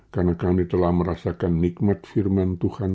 karena kami telah merasakan nikmat firman tuhan